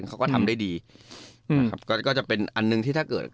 เขาก็ทำได้ดีนะครับก็จะเป็นอันหนึ่งที่ถ้าเกิด